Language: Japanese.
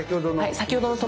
先ほどの。